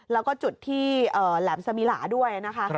แล้วก็จุดที่แหลมสมิลาด้วยนะคะ